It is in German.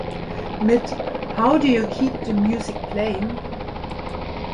Mit "How Do You Keep the Music Playing?